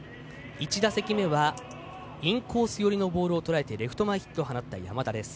１打席目はインコース寄りのボールを捉えてレフト前ヒットを放った山田です。